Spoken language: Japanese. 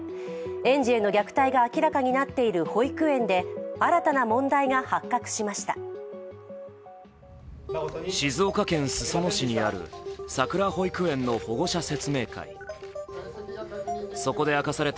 園児への虐待が明らかになっている保育園で新たな問題が発覚しました。